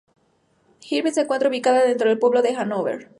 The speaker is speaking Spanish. Irving se encuentra ubicada dentro del pueblo de Hanover.